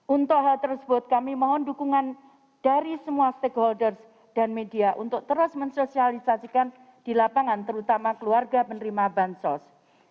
untuk hal tersebut kami mohon dukungan dari semua stakeholders dan media untuk terus mensosialisasikan di lapangan terutama keluarga penerima bansos